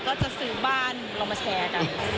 ก็จะซื้อบ้านเรามาแชร์กัน